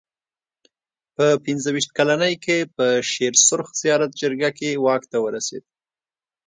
په پنځه ویشت کلنۍ کې په شېر سرخ زیارت جرګه کې واک ته ورسېد.